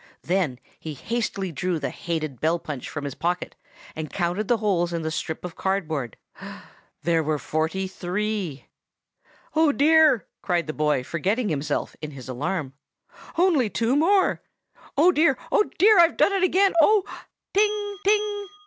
Then he hastily drew the hated bell punch from his pocket, and counted the holes in the strip of cardboard; there were forty three! 'Oh, dear!' cried the boy, forgetting himself again in his alarm, 'only two more! Oh, dear! oh, dear! I've done it again! oh—' 'Ting! ting!